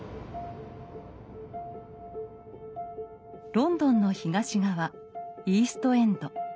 ロンドンの東側イースト・エンド。